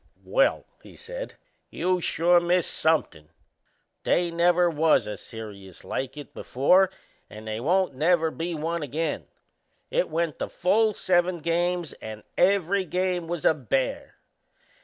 "Well," he said, "you sure missed somethin'. They never was a serious like it before and they won't never be one again. It went the full seven games and every game was a bear.